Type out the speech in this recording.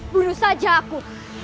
bunuh saja aku